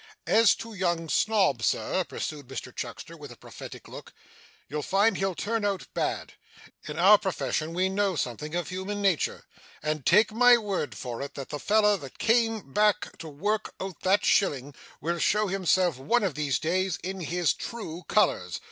'As to young Snob, sir,' pursued Mr Chuckster with a prophetic look, 'you'll find he'll turn out bad. In our profession we know something of human nature, and take my word for it, that the feller that came back to work out that shilling, will show himself one of these days in his true colours.